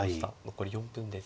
残り４分です。